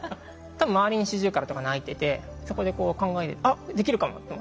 多分周りにシジュウカラとか鳴いててそこでこう考えて「あっできるかも」と思って。